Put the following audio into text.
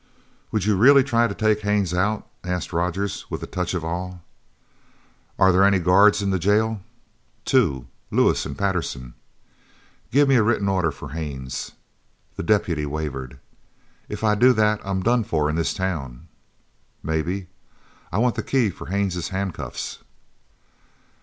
"Would you really try to take Haines out?" asked Rogers with a touch of awe. "Are there any guards in the jail?" "Two. Lewis an' Patterson." "Give me a written order for Haines." The deputy wavered. "If I do that I'm done for in this town!" "Maybe. I want the key for Haines's handcuffs."